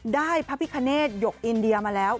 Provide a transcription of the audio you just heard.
พระพิคเนตหยกอินเดียมาแล้ว